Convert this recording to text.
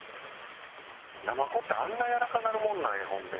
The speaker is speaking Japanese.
ナマコってあんなやわらかなるもんなんやほんで。